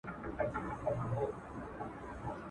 په نارو د بيزو وان خوا ته روان سو.